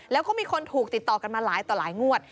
แล้วก็มีคนถูกติดต่อกันมาหลายต่อหลายงวด